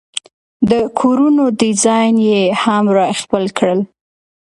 د کورونو ډیزاین یې هم را خپل کړل.